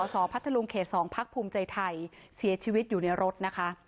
สพัทธลุงเขต๒พักภูมิใจไทยเสียชีวิตอยู่ในรถนะคะ